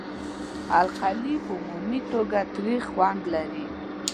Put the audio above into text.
القلي په عمومي توګه تریخ خوند لري.